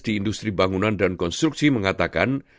di industri bangunan dan konstruksi mengatakan